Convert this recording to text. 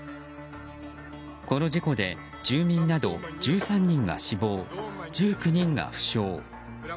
この事故で住民など１３人が死亡、１９人が負傷。